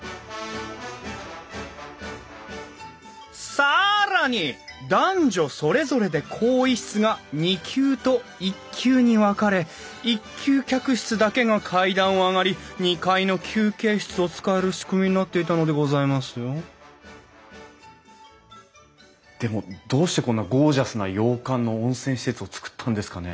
更に男女それぞれで更衣室が２級と１級に分かれ１級客室だけが階段を上がり２階の休憩室を使える仕組みになっていたのでございますよでもどうしてこんなゴージャスな洋館の温泉施設をつくったんですかね？